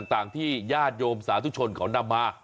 ต่างที่ญาติโยมสาธุชนเขานำมา